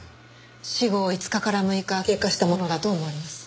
死後５日から６日経過したものだと思われます。